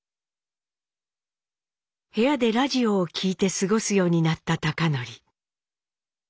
部屋でラジオを聴いて過ごすようになった貴教。